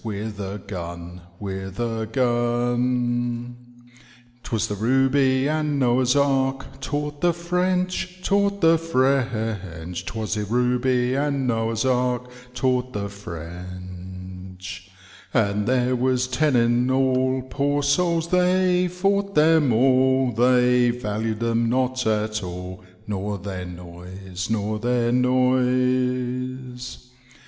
With a gun, with a guu.' 'Twas the Ituby and Noah^s Ark, Taught the French, taught the French; 'Twas the liuhy and Noah*8 Ark, Taught the French. And there was ten in all. Poor souls, they fought them all, They valu*d them not at all. Nor their noise, nor their noise.